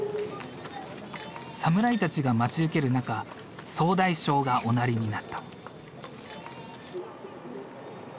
侍たちが待ち受ける中総大将がおなりになった。